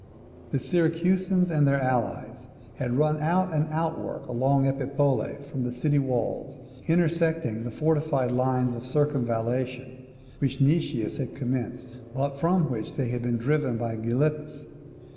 The Syracusans and their allies had run out an outwork along Epipolae from the city walls, intersecting the fortified lines of circumvallation which Nicias had commenced, but from which they had been driven by Gylippus.